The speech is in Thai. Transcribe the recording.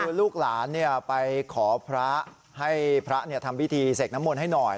คือลูกหลานเนี่ยไปขอพระให้พระเนี่ยทำพิธีเสกน้ำม่นให้หน่อย